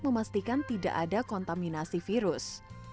memastikan tidak ada kontaminasi virus